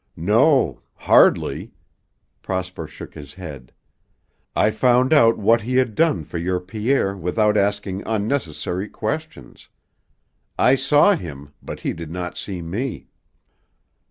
"No. Hardly." Prosper shook his head. "I found out what he had done for your Pierre without asking unnecessary questions. I saw him, but he did not see me."